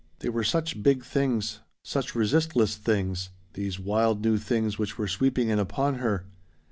They were such big things such resistless things these wild new things which were sweeping in upon her.